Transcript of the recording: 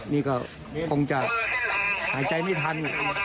นี่ก็คงจะหายใจไม่ทัน